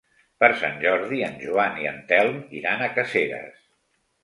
Per Sant Jordi en Joan i en Telm iran a Caseres.